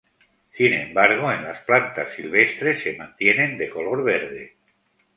Sin embargo, en las plantas silvestres se mantienen de color verde.